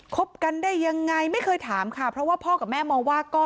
บกันได้ยังไงไม่เคยถามค่ะเพราะว่าพ่อกับแม่มองว่าก็